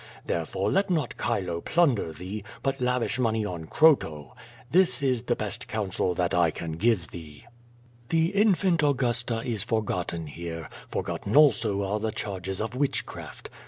Therefore, let not Chilo plunder thee, but lavish money on Croto. This is the best counsel that I can give thee. The infant Augusta is forgotten here; forgotten also are the charges of witchcraft.